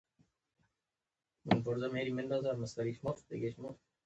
• ښه سړی د ټولنې لپاره ګټور وي.